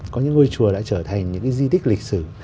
có những ngôi chùa đã trở thành những cái di tích lịch sử